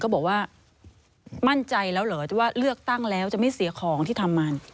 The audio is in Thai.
บอกว่ามั่นใจแล้วเหรอว่าเลือกตั้งแล้วจะไม่เสียของที่ทำมา